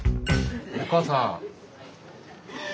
お母さん。